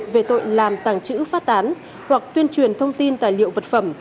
về tội làm tàng trữ phát tán hoặc tuyên truyền thông tin tài liệu vật phẩm